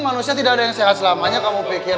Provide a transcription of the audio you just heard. manusia tidak ada yang sehat selamanya kamu pikir